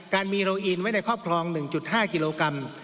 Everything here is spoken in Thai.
การมีโรอีนไว้ในครอบครอง๑๕กิโลกรัม